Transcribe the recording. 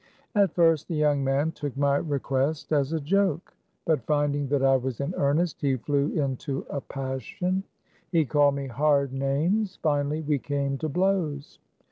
At first the young man took my request as a joke. But finding that I was in earnest, he flew into a passion. He called me hard names. Finally we came to blows.